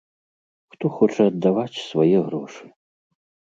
Хто хоча аддаваць свае грошы!?